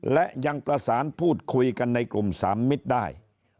และยังประสานพูดคุยกันในกลุ่มสามมิตรได้